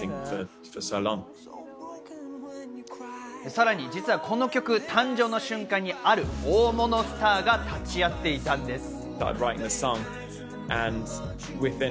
さらに実はこの曲、誕生の瞬間にある大物スターが立ち会っていたんです。